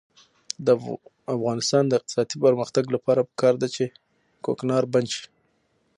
د افغانستان د اقتصادي پرمختګ لپاره پکار ده چې کوکنار بند شي.